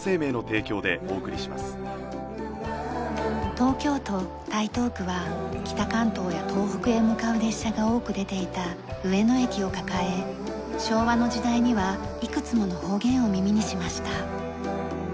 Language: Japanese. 東京都台東区は北関東や東北へ向かう列車が多く出ていた上野駅を抱え昭和の時代にはいくつもの方言を耳にしました。